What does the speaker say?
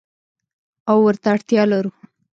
او ورته اړتیا لرو.